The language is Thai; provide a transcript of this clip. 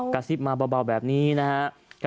กะซิบมาเบาแบบนี้นะครับ